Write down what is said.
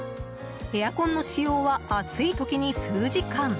エアコンの使用は暑い時に数時間。